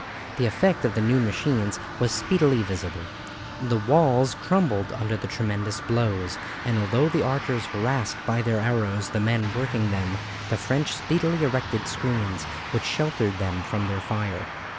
The effect of the new machines was speedily visible. The walls crumbled under the tremendous blows, and although the archers harassed by their arrows the men working them, the French speedily erected screens which sheltered them from their fire.